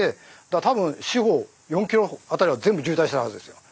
多分四方４キロあたりは全部渋滞してたはずですよ。